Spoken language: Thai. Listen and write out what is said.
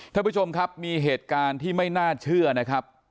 ท่านผู้ชมครับมีเหตุการณ์ที่ไม่น่าเชื่อนะครับ